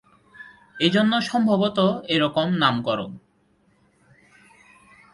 এজন্য সম্ভবত এরকম নামকরণ।